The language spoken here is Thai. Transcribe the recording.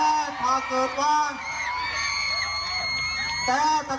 คนหนึ่งเก็บคนหนึ่งเผาโรงพยาบาล